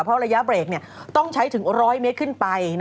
เพราะระยะเบรกต้องใช้ถึง๑๐๐เมตรขึ้นไป